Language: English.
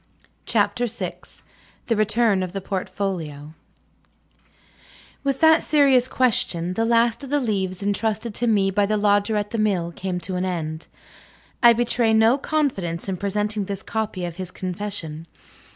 CHAPTER VI THE RETURN OF THE PORTFOLIO With that serious question the last of the leaves entrusted to me by the Lodger at the Mill came to an end. I betray no confidence in presenting this copy of his confession.